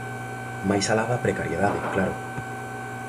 Máis alá da precariedade, claro.